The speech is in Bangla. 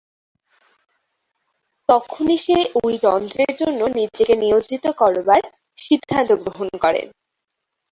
তখনই সে ঐ যন্ত্রের জন্য নিজেকে নিয়োজিত করবার সিদ্ধান্ত গ্রহণ করেন।